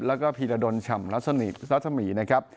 แล้วก็ภีรธรรมชำระสนิทสัตว์ธรรมีนะครับ